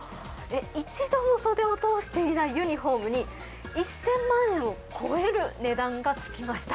一度も袖を通していないユニホームに１０００万円を超える値段が付きました。